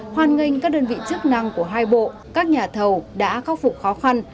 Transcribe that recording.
hoàn nghênh các đơn vị chức năng của hai bộ các nhà thầu đã khắc phục khó khăn